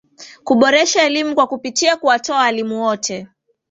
kuboresha elimu kwa kupitia kuwatoa walimu wote